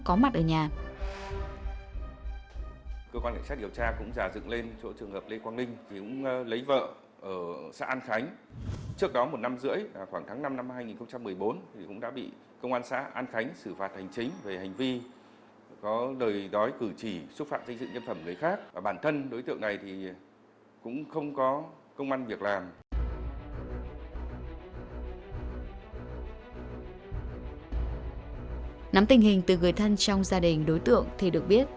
cơ quan cảnh sát điều tra tập trung và lê quang linh sinh năm một nghìn chín trăm chín mươi tám quê ở xã vân sơn huyện triệu sơn thủ tục nghiệp học